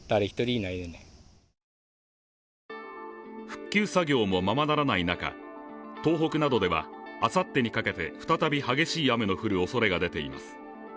復旧作業もままならない中、東北などではあさってにかけて再び激しい雨の降るおそれが出ています。